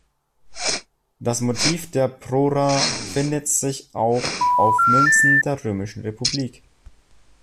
Das Motiv der Prora findet sich auch auf Münzen der Römischen Republik.